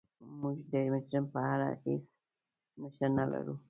موږ د مجرم په اړه هیڅ نښه نلرو.